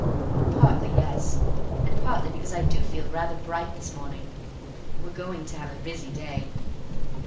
"Partly, yes. And partly because I do feel rather bright this morning. We're going to have a busy day."